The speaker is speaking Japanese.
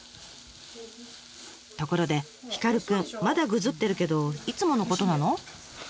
ところでヒカルくんまだグズってるけどいつものことなの？